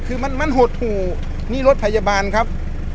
คือมันหดหู่นี่รถพยาบาลครับ